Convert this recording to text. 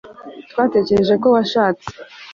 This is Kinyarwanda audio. twatekereje ko washatse